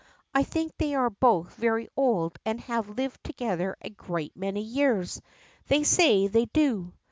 I think they are both very old and have lived together a great many years. They say they do.